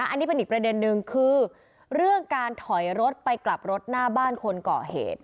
อันนี้เป็นอีกประเด็นนึงคือเรื่องการถอยรถไปกลับรถหน้าบ้านคนก่อเหตุ